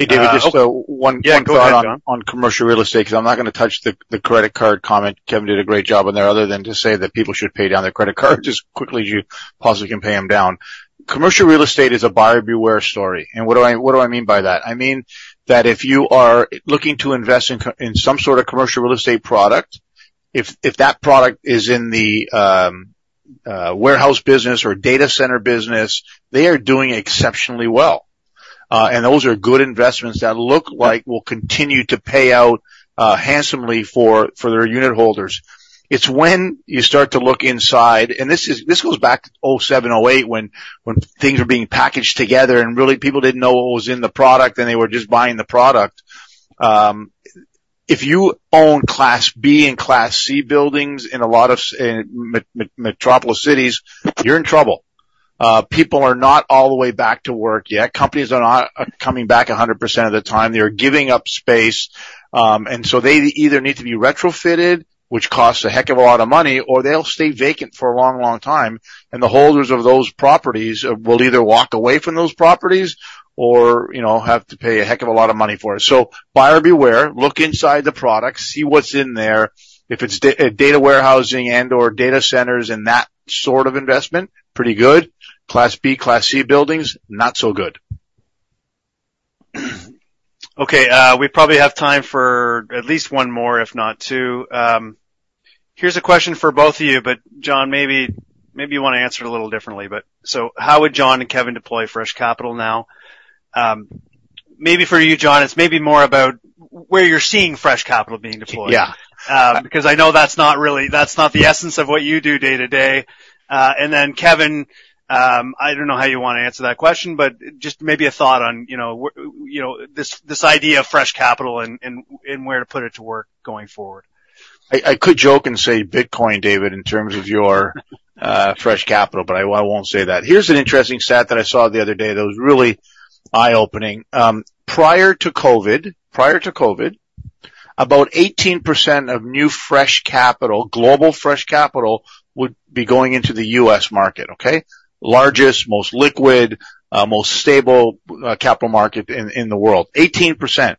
Hey, David, just one-. Yeah, go ahead, John. Thought on commercial real estate, because I'm not going to touch the credit card comment. Kevin did a great job on there other than to say that people should pay down their credit card just quickly as you possibly can pay them down. Commercial real estate is a buyer beware story. What do I mean by that? I mean that if you are looking to invest in some sort of commercial real estate product, if that product is in the warehouse business or data center business, they are doing exceptionally well. Those are good investments that look like will continue to pay out handsomely for their unitholders. It's when you start to look inside, this goes back to 2007, 2008 when things are being packaged together and really people didn't know what was in the product and they were just buying the product. If you own Class B and Class C buildings in a lot of metropolis cities, you're in trouble. People are not all the way back to work yet. Companies are not coming back 100% of the time. They are giving up space. They either need to be retrofitted, which costs a heck of a lot of money, or they'll stay vacant for a long, long time, and the holders of those properties will either walk away from those properties or, you know, have to pay a heck of a lot of money for it. Buyer beware, look inside the product, see what's in there. If it's data warehousing and/or data centers and that sort of investment, pretty good. Class B, Class C buildings, not so good. We probably have time for at least one more, if not two. Here's a question for both of you, but John, maybe you wanna answer it a little differently. How would John and Kevin deploy fresh capital now? Maybe for you, John, it's maybe more about where you're seeing fresh capital being deployed. Yeah. Because I know that's not really, that's not the essence of what you do day-to-day. Kevin, I don't know how you wanna answer that question, but just maybe a thought on, you know, this idea of fresh capital and where to put it to work going forward. I could joke and say Bitcoin, David, in terms of your fresh capital, but I won't say that. Here's an interesting stat that I saw the other day that was really eye-opening. Prior to COVID, prior to COVID, about 18% of new fresh capital, global fresh capital would be going into the U.S. market, okay? Largest, most liquid, most stable capital market in the world. 18%.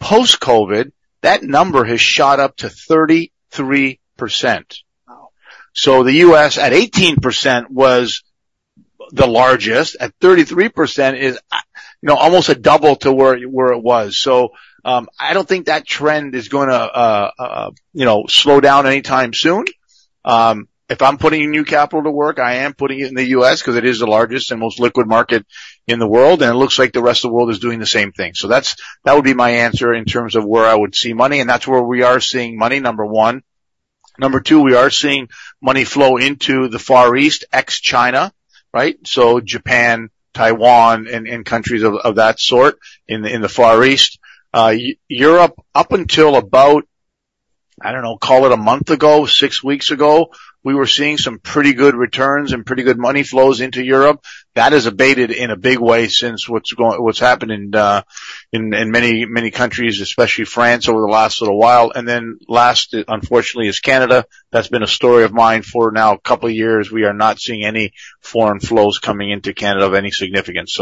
Post-COVID, that number has shot up to 33%. Wow. The U.S. at 18% was the largest. At 33% is, you know, almost a double to where it was. I don't think that trend is gonna, you know, slow down anytime soon. If I'm putting new capital to work, I am putting it in the U.S. because it is the largest and most liquid market in the world, and it looks like the rest of the world is doing the same thing. That would be my answer in terms of where I would see money, and that's where we are seeing money, number one. Number two, we are seeing money flow into the Far East, ex-China, right? Japan, Taiwan, and countries of that sort in the Far East. Europe, up until about, I don't know, call it one month ago, six weeks ago, we were seeing some pretty good returns and pretty good money flows into Europe. That has abated in a big way since what's happened in many countries, especially France, over the last little while. Last, unfortunately, is Canada. That's been a story of mine for now couple years. We are not seeing any foreign flows coming into Canada of any significance.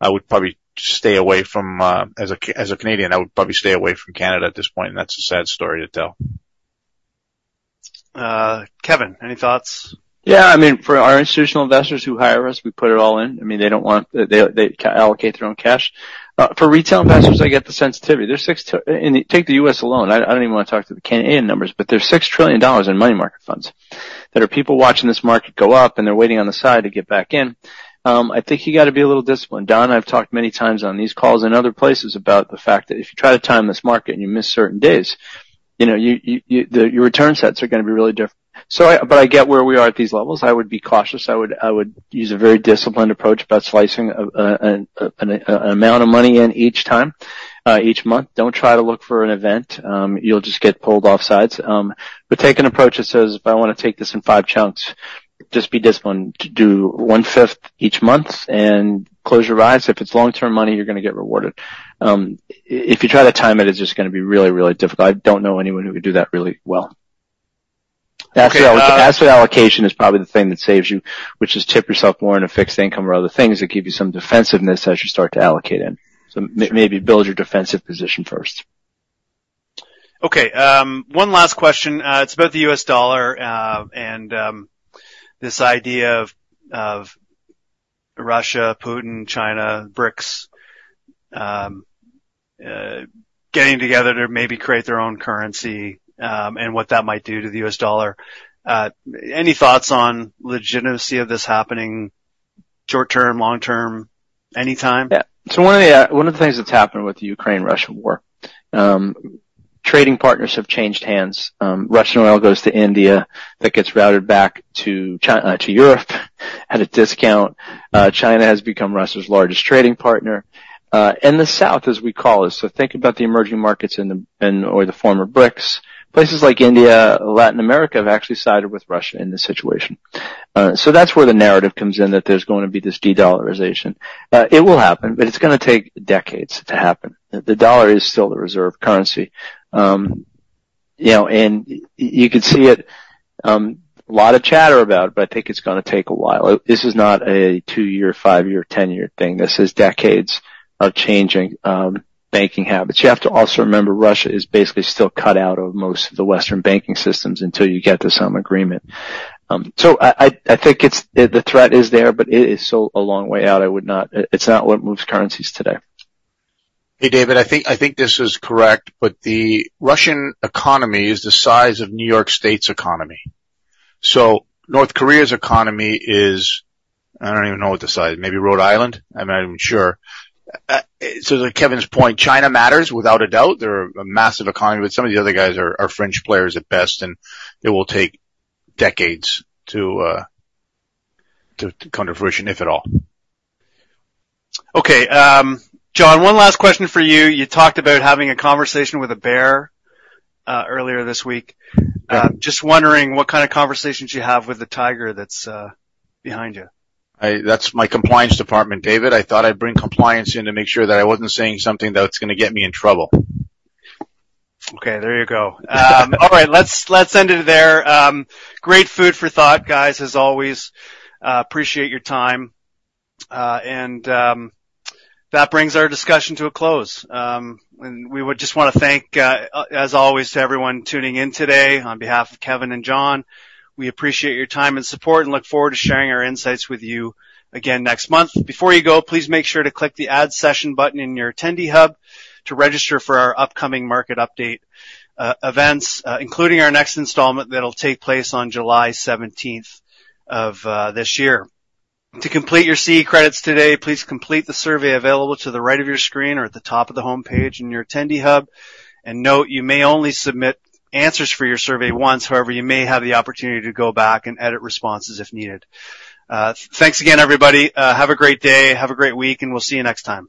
I would probably stay away from as a Canadian, I would probably stay away from Canada at this point, and that's a sad story to tell. Kevin, any thoughts? Yeah, I mean, for our institutional investors who hire us, we put it all in. I mean, they allocate their own cash. For retail investors, I get the sensitivity. Take the U.S. alone. I don't even wanna talk to the Canadian numbers. There's $6 trillion in money market funds that are people watching this market go up, and they're waiting on the side to get back in. I think you gotta be a little disciplined. John, I've talked many times on these calls and other places about the fact that if you try to time this market and you miss certain days, you know, you your return sets are gonna be really. I get where we are at these levels. I would be cautious. I would use a very disciplined approach about slicing an amount of money in each time, each month. Don't try to look for an event. You'll just get pulled off sides. Take an approach that says, "But I wanna take this in five chunks." Just be disciplined. Do 1/5 each month and close your eyes. If it's long-term money, you're gonna get rewarded. If you try to time it's just gonna be really, really difficult. I don't know anyone who could do that really well. Okay. Asset allocation is probably the thing that saves you, which is tip yourself more in a fixed income or other things that give you some defensiveness as you start to allocate in. Maybe build your defensive position first. Okay, one last question. It's about the U.S. dollar, and this idea of Russia, Putin, China, BRICS, getting together to maybe create their own currency, and what that might do to the U.S. dollar. Any thoughts on legitimacy of this happening short-term, long-term, anytime? One of the things that's happened with the Ukraine-Russia war, trading partners have changed hands. Russian oil goes to India, that gets routed back to Europe at a discount. China has become Russia's largest trading partner. The South, as we call it, so think about the emerging markets or the former BRICS. Places like India, Latin America, have actually sided with Russia in this situation. That's where the narrative comes in that there's gonna be this de-dollarization. It will happen, but it's gonna take decades to happen. The dollar is still the reserve currency. You know, you could see it, a lot of chatter about it, but I think it's gonna take a while. This is not a two-year, five-year, 10-year thing. This is decades of changing banking habits. You have to also remember, Russia is basically still cut out of most of the Western banking systems until you get to some agreement. I think it's the threat is there, but it is still a long way out. I would not. It's not what moves currencies today. Hey, David, I think this is correct. The Russian economy is the size of New York State's economy. North Korea's economy is... I don't even know what the size, maybe Rhode Island. I'm not even sure. To Kevin's point, China matters without a doubt. They're a massive economy, but some of the other guys are fringe players at best, and it will take decades to come to fruition, if at all. Okay, John, one last question for you. You talked about having a conversation with a bear earlier this week. Yeah. just wondering what kind of conversations you have with the tiger that's behind you? That's my compliance department, David. I thought I'd bring compliance in to make sure that I wasn't saying something that's gonna get me in trouble. Okay, there you go. All right. Let's end it there. Great food for thought, guys, as always. Appreciate your time. That brings our discussion to a close. We would just wanna thank, as always, to everyone tuning in today. On behalf of Kevin and John, we appreciate your time and support and look forward to sharing our insights with you again next month. Before you go, please make sure to click the Add Session button in your Attendee Hub to register for our upcoming market update events, including our next installment that'll take place on July 17th of this year. To complete your CE credits today, please complete the survey available to the right of your screen or at the top of the homepage in your Attendee Hub. Note, you may only submit answers for your survey once. However, you may have the opportunity to go back and edit responses if needed. Thanks again, everybody. Have a great day. Have a great week, and we'll see you next time.